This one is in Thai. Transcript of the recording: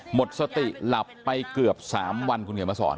หมดสติหลับไปเกือบ๓วันคุณเขียนมาสอน